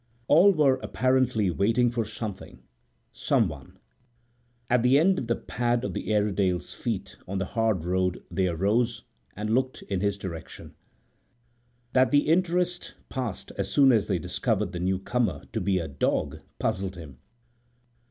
All were apparently waiting for something, someone, and at the pad of the Airedale's feet on the hard road they arose and looked in his direction. That the interest passed as soon as they discovered the new comer to be a dog puzzled him.